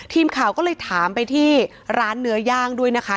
ทีมข่าวก็เลยถามไปที่ร้านเนื้อย่างด้วยนะคะ